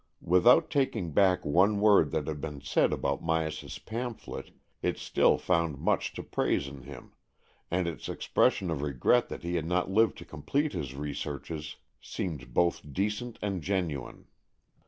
Without taking back one word that had been said about Myas's pamphlet, it still found much to praise in him, and its expression of regret that he had not lived to complete his researches, seemed both decent and genuine.